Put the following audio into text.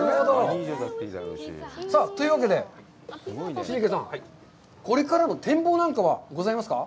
というわけで、尻池さん、これからの展望なんかはございますか？